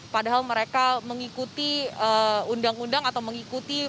padahal mereka mengikuti undang undang atau mengikuti perusahaan masing masing